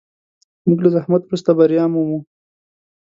موږ له زحمت وروسته بریا مومو.